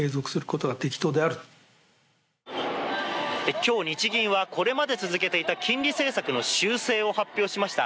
今日日銀はこれまで続けてきた金利政策の修正を発表しました。